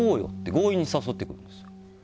強引に誘ってくるんです。